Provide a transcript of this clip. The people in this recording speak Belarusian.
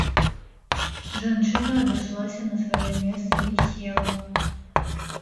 Жанчына адышлася на сваё месца і села.